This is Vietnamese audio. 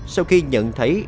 sau khi nhận thấy